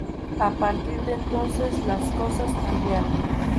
A partir de entonces las cosas cambiaron.